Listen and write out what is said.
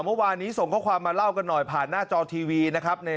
เมื่อวานนี้ส่งข้อความมาเล่ากันหน่อยผ่านหน้าจอทีวีนะครับ